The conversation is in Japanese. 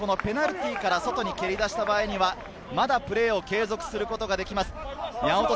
ただペナルティーから外に蹴り出した場合にはまだプレーを継続することができます。